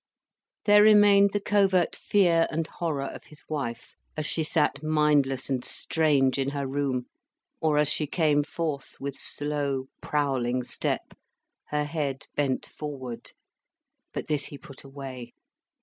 There remained the covert fear and horror of his wife, as she sat mindless and strange in her room, or as she came forth with slow, prowling step, her head bent forward. But this he put away.